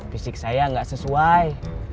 fisik saya gak sesuai